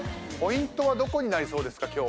ポイントはどこになりそうですか？